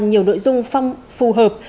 nhiều nội dung phong phù hợp